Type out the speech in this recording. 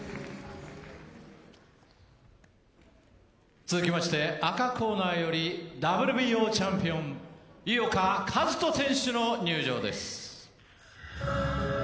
続きまして赤コーナーよりＷＢＯチャンピオン井岡一翔選手の入場です。